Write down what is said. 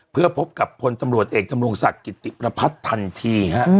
เพื่อพบกับพลตำรวจเอกดำรงศักดิ์กิติประพัฒน์ทันทีฮะ